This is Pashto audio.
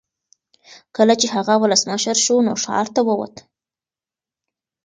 کله چې هغه ولسمشر شو نو ښار ته وووت.